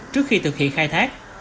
trước khi thực hiện khai thác